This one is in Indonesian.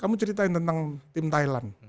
kamu ceritain tentang tim thailand